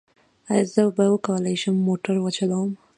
ایا زه به وکولی شم موټر وچلوم؟